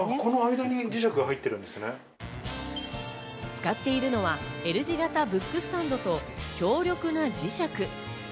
使っているのはＬ字型ブックスタンドと強力な磁石。